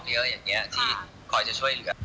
เขามีทั้งญาติทั้งเครือข่ายที่ค่อยจะช่วยเหลือ